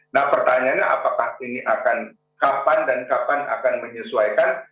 nah pertanyaannya apakah ini akan kapan dan kapan akan menyesuaikan